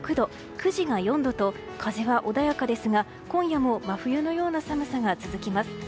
９時が４度と風が穏やかですが今夜も真冬のような寒さが続きます。